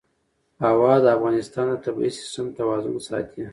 هوا د افغانستان د طبعي سیسټم توازن ساتي.